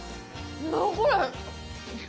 何これ！？